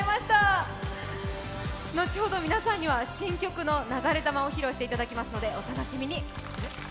後ほど皆さんには新曲の「流れ弾」を披露していただきますので、お楽しみに。